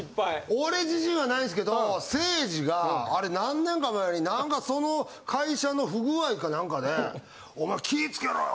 俺自身はないですけどせいじがあれ何年か前に何かその会社の不具合か何かでお前気ぃつけろよ